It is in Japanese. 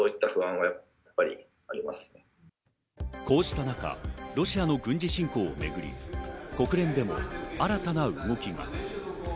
こうした中、ロシアの軍事侵攻を受けて国連でも新たな動きが。